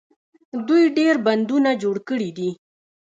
دوی ډیر بندونه جوړ کړي دي.